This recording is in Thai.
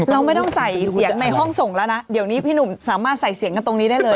เราไม่ต้องใส่เสียงในห้องส่งแล้วนะเดี๋ยวนี้พี่หนุ่มสามารถใส่เสียงกันตรงนี้ได้เลย